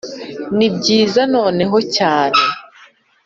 nibyiza noneho cyane